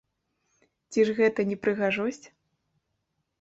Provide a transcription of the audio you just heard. Ці ж гэта не прыгажосць?